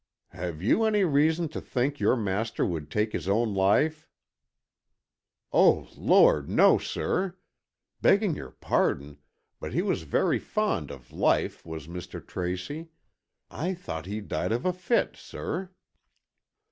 "Have you any reason to think your master would take his own life?" "Oh, Lord, no, sir. Begging your pardon, but he was very fond of life, was Mr. Tracy. I thought he died of a fit, sir."